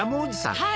はい！